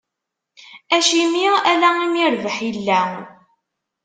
Acimi ala imi rrbeḥ illa?